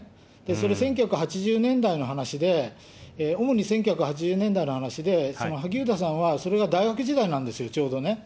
それ、１９８０年代の話で、主に１９８０年代の話で、萩生田さんはそれが大学時代なんですよ、ちょうどね。